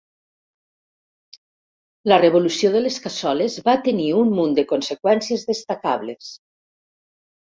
La Revolució de les Cassoles va tenir un munt de conseqüències destacables.